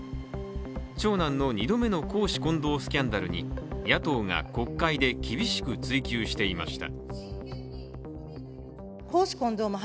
長男の２度目の公私混同スキャンダルに野党が国会で厳しく追及していました。